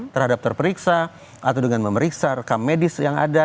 terhadap terperiksa atau dengan memeriksa rekam medis yang ada